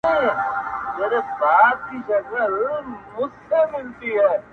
لمره نن تم سه نن به نه راخېژې -